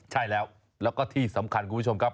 ใช่แล้วแล้วก็ที่สำคัญคุณผู้ชมครับ